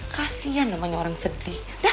kasian namanya orang sedih